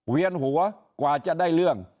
เวียนหัวกว่าจะได้เรื่อง